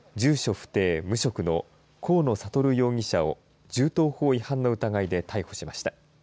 不定・無職の河野智容疑者を銃刀法違反の疑いで逮捕しました。